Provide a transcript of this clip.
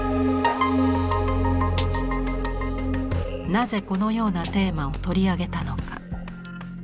なぜこのようなテーマを取り上げたのか？